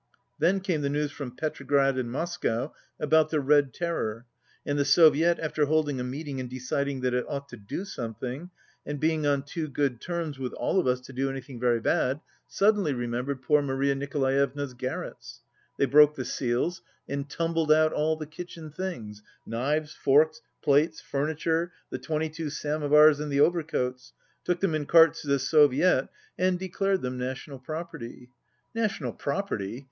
Then came the news from Petrograd and Moscow about the Red terror, and the Soviet, after holding a meet ing and deciding that it ought to do something, and being on too good terms with all of us to do any 78 thing very bad, suddenly remembered poor Maria Nicolaevna's garrets. They broke the seals and tumbled out all the kitchen things, knives, forks, plates, furniture, the twenty two samovars and the overcoats, took them in carts to the Soviet and de clared them national property. National prop erty